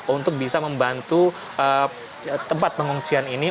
untuk bisa membantu tempat pengungsian ini